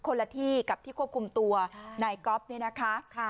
คนละที่กับที่ควบคุมตัวในก๊อปนี้นะคะ